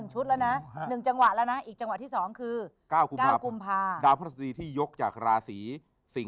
โหลดแล้วคุณราคาโหลดแล้วยัง